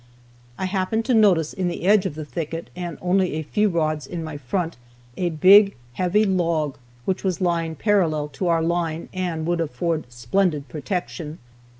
I happened to notice in the edge of the thicket, and only a few rods in my front, a big, heavy log, which was lying parallel to our line, and would afford splendid protection.